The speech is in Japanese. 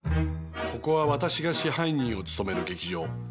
ここは私が支配人を務める劇場。